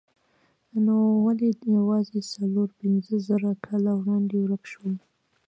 نو ولې یوازې څلور پنځه زره کاله وړاندې ورک شول؟